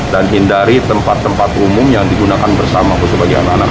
dan hindari tempat tempat umum yang digunakan bersama khusus bagi anak anak